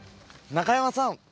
中山さん